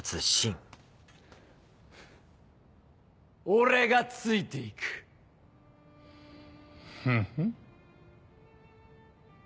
俺がついて行く！フフ。